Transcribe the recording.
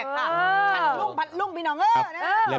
ฉันลุ่งพันธุ์ลุ่งพี่น้องเอ้อ